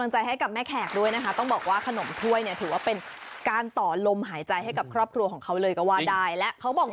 สบายแบบนี้บอกเลยนะครับ